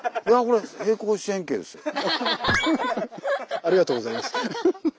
ありがとうございます。